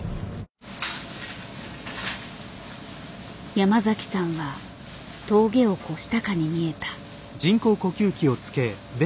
山崎さんは峠を越したかに見えた。